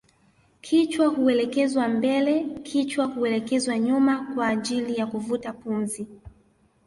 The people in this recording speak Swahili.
Kichwa huelekezwa mbele kichwa huelekezwa nyuma kwa ajili ya kuvuta pumzi